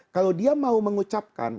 kalau dia mau mengucapkan